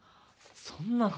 そんなの。